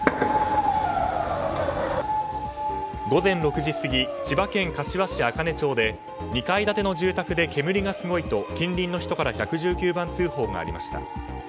午前６時過ぎ千葉県柏市あかね町で２階建ての住宅で煙がすごいと近隣の人から１１９番通報がありました。